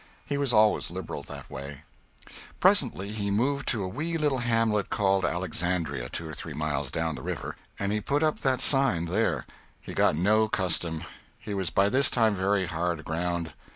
He was always liberal that way. [Sidenote: (1861.)] Presently he moved to a wee little hamlet called Alexandria, two or three miles down the river, and he put up that sign there. He got no custom. He was by this time very hard aground.